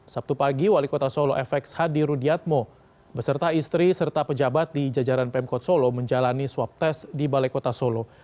sabtu pagi wali kota solo fx hadi rudiatmo beserta istri serta pejabat di jajaran pemkot solo menjalani swab test di balai kota solo